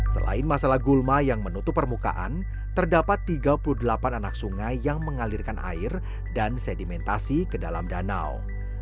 selain masalah gulma yang menutup permukaan terdapat tiga puluh delapan anak sungai yang mengalirkan air dan sedimentasi ke dalam danau